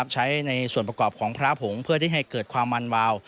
ใช้ในส่วนประกอบของพระผงเพื่อที่ให้เกิดความมันวาว